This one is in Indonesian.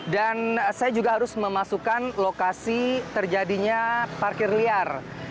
dan saya juga harus memasukkan lokasi terjadinya parkir liar